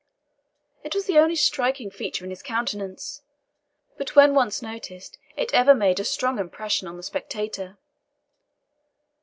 It was the only striking feature in his countenance; but when once noticed, it ever made a strong impression on the spectator.